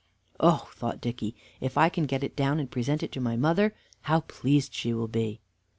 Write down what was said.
"Oh!" thought Dicky, "if I can get it down and present it to my mother, how pleased she will be!"